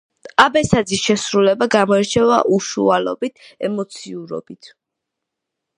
აბესაძის შესრულება გამოირჩევა უშუალობით, ემოციურობით.